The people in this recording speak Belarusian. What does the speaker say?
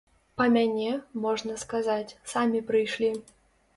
Па мяне, можна сказаць, самі прыйшлі.